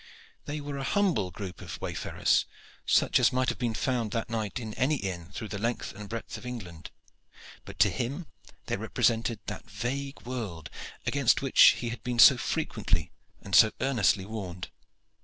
They were a humble group of wayfarers, such as might have been found that night in any inn through the length and breadth of England; but to him they represented that vague world against which he had been so frequently and so earnestly warned.